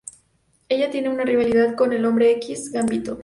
Ella tiene una rivalidad con el Hombre X, Gambito.